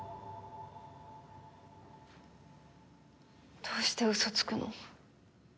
どうして嘘つくの？